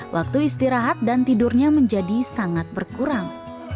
waktu istirahat dan tidurnya menjadi sangat berkurang